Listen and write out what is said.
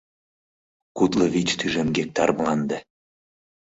Кудло вич тӱжем гектар мланде.